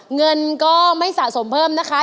เงินก็ไม่สะสมเพิ่มนะคะ